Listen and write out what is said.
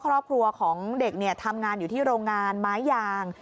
ครอบครัวของเด็กทำงานอยู่ที่โรงงานไม้ยาง